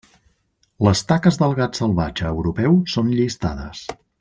Les taques del gat salvatge europeu són llistades.